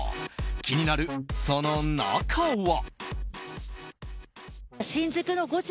気になるその中は？